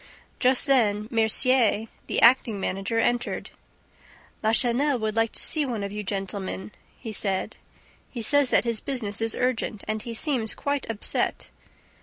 Just then, Mercier, the acting manager, entered. "Lachenel would like to see one of you gentlemen," he said. "He says that his business is urgent and he seems quite upset."